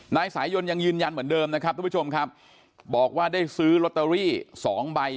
นายสายยนยังยืนยันเหมือนเดิมนะครับทุกผู้ชมครับบอกว่าได้ซื้อลอตเตอรี่สองใบ